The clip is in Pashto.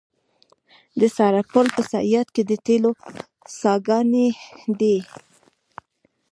د سرپل په صیاد کې د تیلو څاګانې دي.